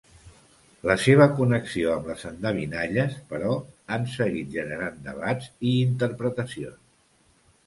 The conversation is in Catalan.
La seva connexió amb les endevinalles, però, han seguit generant debats i interpretacions.